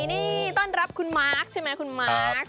นี่ต้อนรับคุณมาร์คใช่ไหมคุณมาร์ค